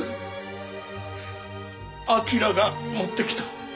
彬が持ってきた。